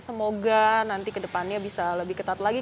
semoga nanti ke depannya bisa lebih ketat lagi